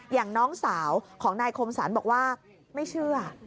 อย่างน้องสาวของนายคมสรรบอกว่าไม่เชื่อ